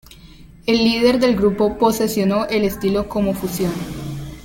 El líder del grupo posicionó el estilo como fusión.